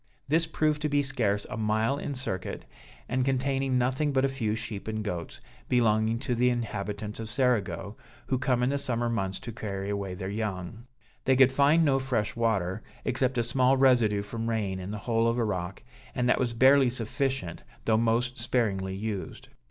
This proved to be scarce a mile in circuit, and containing nothing but a few sheep and goats, belonging to the inhabitants of Cerigo, who come in the summer months to carry away their young. They could find no fresh water, except a small residue from rain in the hole of a rock, and that was barely sufficient though most sparingly used.